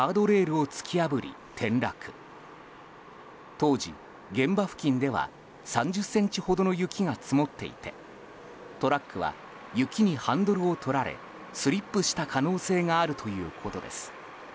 当時、現場付近では３０ｃｍほどの雪が積もっていてトラックは雪にハンドルを取られスリップした可能性があるということです。